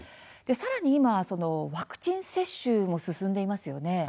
さらに今はワクチン接種も進んでいますよね。